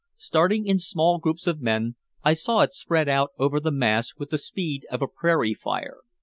Starting in small groups of men, I saw it spread out over the mass with the speed of a prairie fire.